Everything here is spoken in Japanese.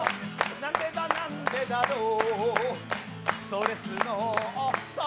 なんでだ、なんでだろう